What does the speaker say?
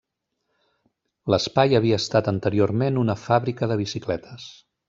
L'espai havia estat anteriorment una fàbrica de bicicletes.